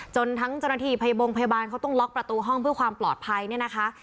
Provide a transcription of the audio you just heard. ทั้งเจ้าหน้าที่บงพยาบาลเขาต้องล็อกประตูห้องเพื่อความปลอดภัยเนี่ยนะคะ